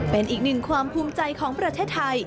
เป็นอีกหนึ่งความภูมิใจของประเทศไทย